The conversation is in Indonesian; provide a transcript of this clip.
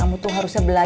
kamu tuh harusnya belajar